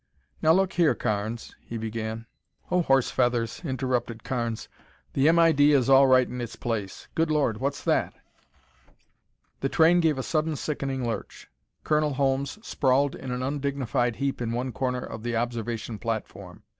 "Now look here, Carnes," he began. "Oh, horse feathers!" interrupted Carnes. "The M.I.D. is all right in its place Good Lord! What's that?" The train gave a sudden sickening lurch. Colonel Holmes sprawled in an undignified heap in one corner of the observation platform.